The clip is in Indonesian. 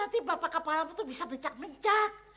ya nanti bapak kapalamu tuh bisa mencak mencak